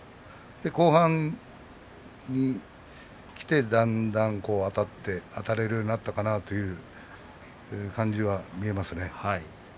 後半にきて、だんだんあたってあたれるようになったかなという感じが見えますね。